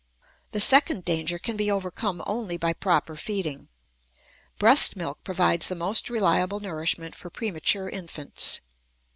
The second danger can be overcome only by proper feeding. Breast milk provides the most reliable nourishment for premature infants.